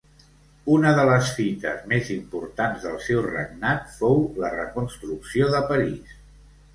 Una de les fites més importants del seu regnat fou la reconstrucció de París.